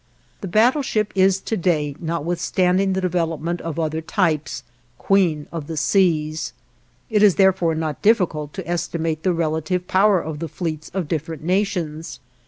The battleship is to day, notwithstanding the development of other types, queen of the seas. It is therefore not difficult to estimate the relative power of the fleets of different nations.